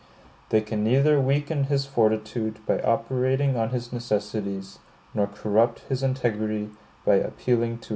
They can neither weaken his fortitude by operating on his necessities, nor corrupt his integrity by appealing to his avarice.